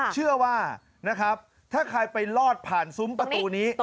เชื่อว่านะครับถ้าใครไปลอดผ่านซุ้มประตูนี้